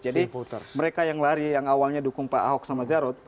jadi mereka yang lari yang awalnya dukung pak ahok sama jarud